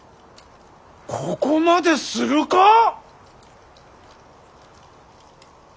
ここまでするか？